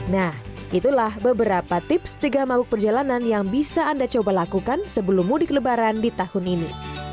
nah itulah beberapa tips cegah mabuk perjalanan yang bisa anda coba lakukan sebelum mudik lebaran di tahun ini